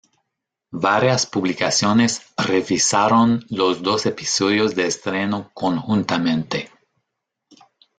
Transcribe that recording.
Varias publicaciones revisaron los dos episodios de estreno conjuntamente.